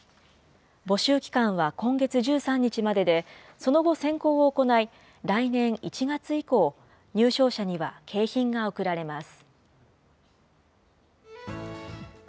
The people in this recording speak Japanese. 募集期間は今月１３日までで、その後、選考を行い、来年１月以降、入賞者には景品が贈られます。